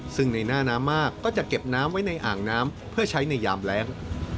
ซึ่งในหน้าน้ำมากก็จะเก็บน้ำไว้ในอ่างน้ำเพื่อใช้ในยามแรง